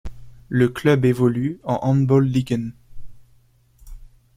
Le club évolue en Håndboldligaen.